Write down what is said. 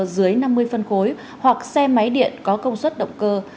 giai đoạn hai nghìn hai mươi